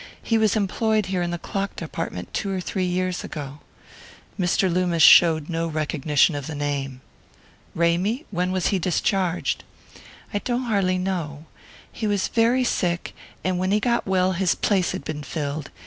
He was employed here in the clock department two or three years ago." Mr. Loomis showed no recognition of the name. "Ramy? When was he discharged?" "I don't har'ly know. He was very sick, and when he got well his place had been filled.